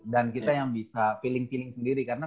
dan kita yang bisa feeling feeling sendiri karena